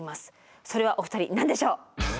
それはお二人何でしょう。